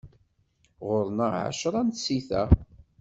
Ɣur-neɣ εecra tsita.